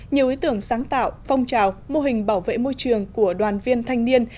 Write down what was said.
nhiều ý tưởng sáng tạo phong trào mô hình bảo vệ môi trường của đoàn viên thanh niên